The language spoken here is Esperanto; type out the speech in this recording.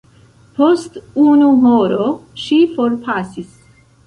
Post unu horo ŝi forpasis.